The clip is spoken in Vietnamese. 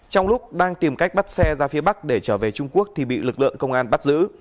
trong lúc đang tìm cách bắt xe ra phía bắc để trở về trung quốc thì bị lực lượng công an bắt giữ